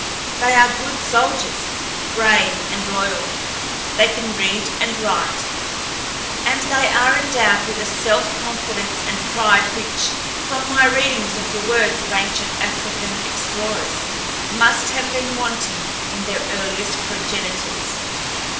They are good soldiers—brave and loyal. They can read and write, and they are endowed with a self confidence and pride which, from my readings of the words of ancient African explorers, must have been wanting in their earliest progenitors.